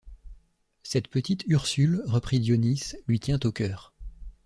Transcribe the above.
Cette petite Ursule, reprit Dionis, lui tient au cœur.